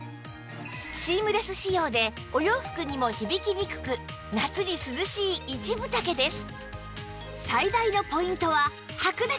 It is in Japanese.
シームレス仕様でお洋服にも響きにくく夏に涼しい一分丈です